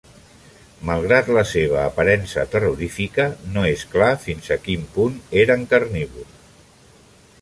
Malgrat la seva aparença terrorífica, no és clar fins a quin punt eren carnívors.